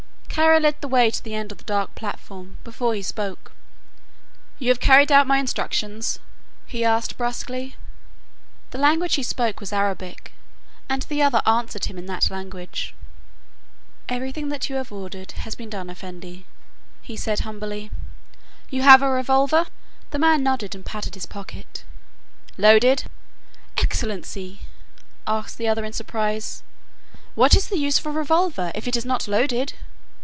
Kara led the way to the end of the dark platform, before he spoke. "You have carried out my instructions?" he asked brusquely. The language he spoke was Arabic, and the other answered him in that language. "Everything that you have ordered has been done, Effendi," he said humbly. "You have a revolver?" The man nodded and patted his pocket. "Loaded?" "Excellency," asked the other, in surprise, "what is the use of a revolver, if it is not loaded?"